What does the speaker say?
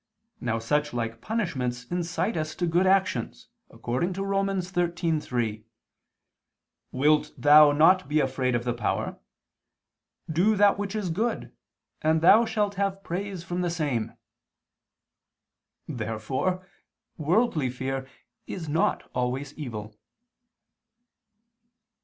Now such like punishments incite us to good actions, according to Rom. 13:3, "Wilt thou not be afraid of the power? Do that which is good, and thou shalt have praise from the same." Therefore worldly fear is not always evil.